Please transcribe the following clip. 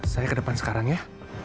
saya ke depan sekarang ya